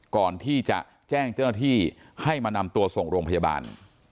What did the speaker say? ก่อนที่จะแจ้งเจ้าหน้าที่ให้มานำตัวส่งโรงพยาบาล